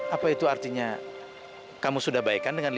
apa itu artinya kamu sudah baikan dengan lia